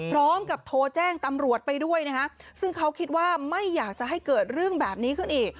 พร้อมกับโทรแจ้งตำรวจไปด้วยนะคะซึ่งเขาคิดว่าไม่อยากจะให้เกิดเรื่องแบบนี้ขึ้นอีก